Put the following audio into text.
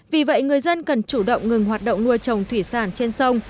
vì vậy người dân cần chủ động ngừng hoạt động nuôi trồng thủy sản trên sông